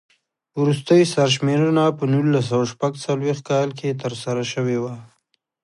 وروستۍ سر شمېرنه په نولس سوه شپږ څلوېښت کال کې ترسره شوې وه.